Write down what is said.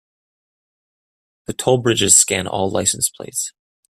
The toll bridges scan all license plates.